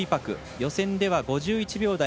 予選では５１秒台。